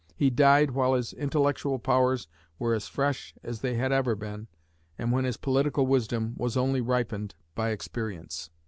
He died while his intellectual powers were as fresh as they had ever been, and when his political wisdom was only ripened by experience.